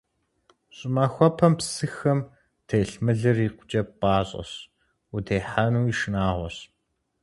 Щӏымахуэпэм псыхэм телъ мылыр икъукӀэ пӀащӀэщ, утехьэнуи шынагъуэщ.